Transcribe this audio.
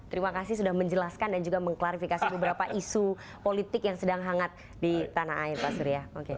terima kasih sudah menjelaskan dan juga mengklarifikasi beberapa isu politik yang sedang hangat di tanah air pak surya